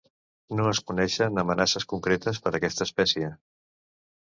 No es coneixen amenaces concretes per aquesta espècie.